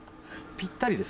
ぴったりです。